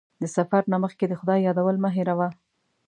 د سفر نه مخکې د خدای یادول مه هېروه.